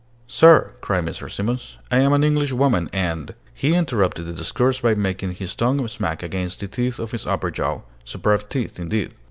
"Sir," cried Mrs. Simons, "I am an Englishwoman, and " He interrupted the discourse by making his tongue smack against the teeth of his upper jaw superb teeth, indeed!